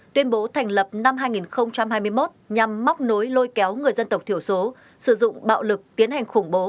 tuyên bố thành lập năm hai nghìn hai mươi một nhằm móc nối lôi kéo người dân tộc thiểu số sử dụng bạo lực tiến hành khủng bố